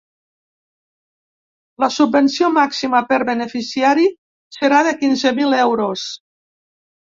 La subvenció màxima per beneficiari serà de quinze mil euros.